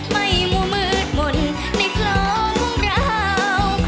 ไม่มั่วมืดหม่นในคล้องราว